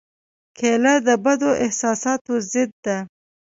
کېله د بدو احساساتو ضد ده.